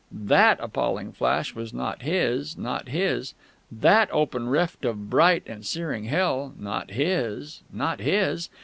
That appalling flash was not his not his that open rift of bright and searing Hell not his, not his!